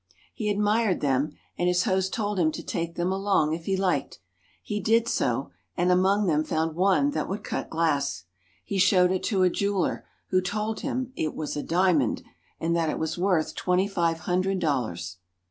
He admired them, and his host told him to take ■them along if he liked. He did so and among them found ] lone that would cut glass. He showed it to a jeweler, who ' T told him it was a diamond, and that it was worth twenty I five hundred dollars.